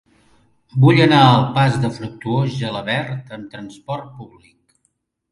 Vull anar al pas de Fructuós Gelabert amb trasport públic.